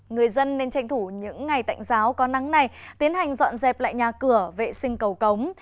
người dân nên tranh thủ những ngày tạnh giáo có nắng này tiến hành dọn dẹp lại nhà cửa vệ sinh cầu cống